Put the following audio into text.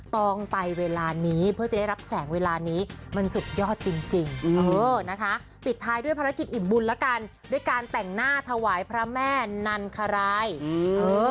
ต้องไปเวลานี้เพื่อจะได้รับแสงเวลานี้มันสุดยอดจริงจริงเออนะคะปิดท้ายด้วยภารกิจอิ่มบุญแล้วกันด้วยการแต่งหน้าถวายพระแม่นันคารายอืมเออ